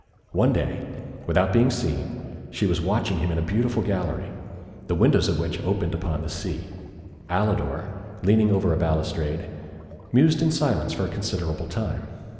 One day, without being seen, she was watching him in a beautiful gallery, the windows of which opened upon the sea; Alidor, leaning over a balustrade, mused in silence for a considerable time.